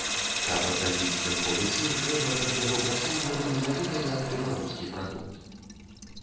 Каб адрадзіць клінковы сыр, трэба, каб яго прасоўвалі менавіта як беларускі прадукт.